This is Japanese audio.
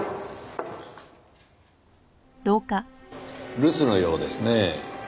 留守のようですねぇ。